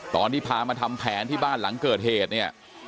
ตอนที่พามาทำแผนที่บ้านหลังเกิดเหตุเนี่ย